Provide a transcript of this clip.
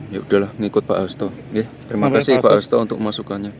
ya udahlah ngikut pak astagh terima kasih pak astagh untuk masukannya